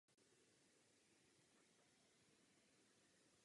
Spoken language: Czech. Vystudoval lékařství na Johns Hopkins University.